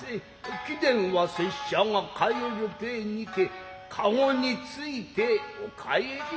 貴殿は拙者が帰る体にて駕についてお帰り下され。